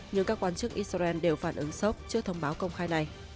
nhưng các quan chức israel đều phản ứng sốc trước thông báo công khai này